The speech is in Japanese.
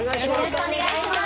お願いします。